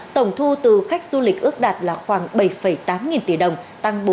tổng thu từ khách du lịch ước đạt là khoảng bảy tám nghìn tỷ đồng tăng bốn mươi năm ba